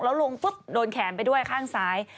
แล้วลงปุ๊บโดนแขนไปด้วยข้างซ้าย